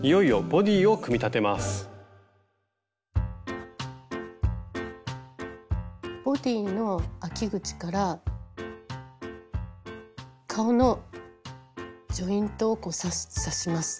ボディーのあき口から顔のジョイントを差します。